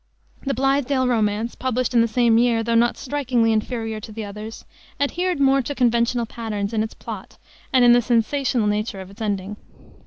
The Blithedale Romance, published in the same year, though not strikingly inferior to the others, adhered more to conventional patterns in its plot and in the sensational nature of its ending.